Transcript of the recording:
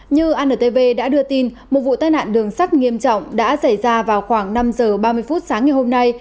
như antv đã đưa tin một vụ tai nạn đường sắt nghiêm trọng đã xảy ra vào khoảng năm h ba mươi phút sáng ngày hôm nay